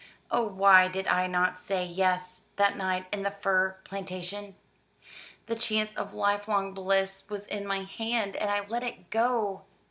"Oh why did I not say Yes that night in the fir plantation? The chance of lifelong bliss was in my hand, and I let it go.